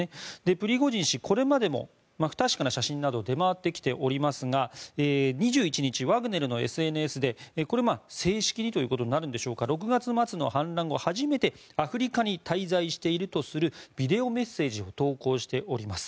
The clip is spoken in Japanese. プリゴジン氏はこれまでも不確かな写真などが出回ってきていますが２１日、ワグネルのＳＮＳでこれは正式にということになるんでしょうか６月末の反乱後、初めてアフリカに滞在しているとするビデオメッセージを投稿しています。